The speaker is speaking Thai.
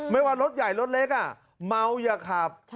ว่ารถใหญ่รถเล็กเมาอย่าขับ